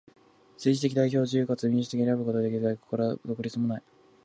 政治的代表を自由かつ民主的に選ぶこともできず、外国からの独立もない。